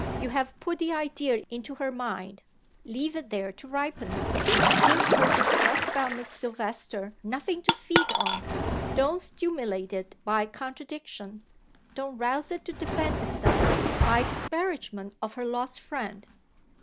You have put the idea into her mind leave it there to ripen. Give her distress about Miss Silvester nothing to feed on. Don't stimulate it by contradiction; don't rouse it to defend itself by disparagement of her lost friend.